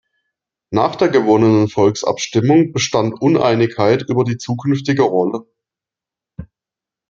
Nach der gewonnenen Volksabstimmung bestand Uneinigkeit über die zukünftige Rolle.